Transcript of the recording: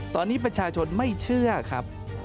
ตอนนี้ประชาชนไม่เชื่อครับ